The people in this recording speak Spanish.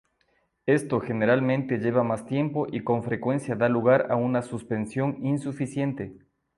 Esto generalmente lleva más tiempo y con frecuencia da lugar a una suspensión insuficiente.